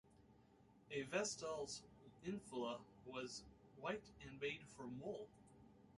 A vestal's infula was white and made from wool.